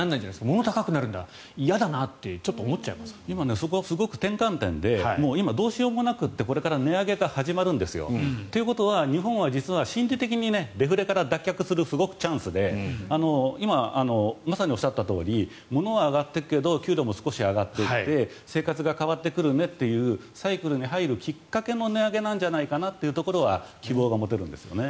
ものが高くなるんだ嫌だなって今そこはすごく転換点で今どうしようもなくてこれから値上げが始まるんですよ。ということは日本は心理的にデフレから脱却するすごいチャンスで今、まさにおっしゃったとおり物は上がるけど給料も上がって生活が変わるねというサイクルに入るきっかけの値上げではというところは希望が持てるんですよね。